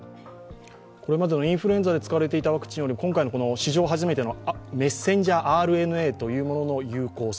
これまでのインフルエンザで使われていたワクチンよりも今回の史上初めてのメッセンジャーＲＮＡというものの有効性